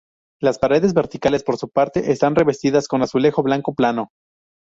Las paredes verticales, por su parte, están revestidas con un azulejo blanco plano.